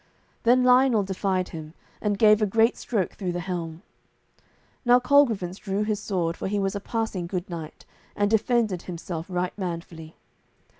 Then Lionel defied him, and gave a great stroke through the helm. Now Colgrevance drew his sword, for he was a passing good knight, and defended himself right manfully.